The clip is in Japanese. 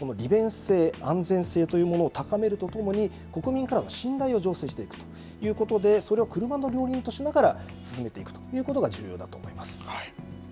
ですから日本も利便性、安全性というものを高めるとともに国民からの信頼を醸成していくということでそれを車の両輪としながら進めていくことがはい。